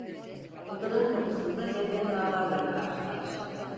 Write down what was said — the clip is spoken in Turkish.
Odanın kapısında veznedarla karşılaştı.